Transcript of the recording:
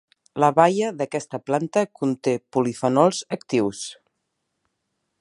La baia d'aquesta planta conté polifenols actius.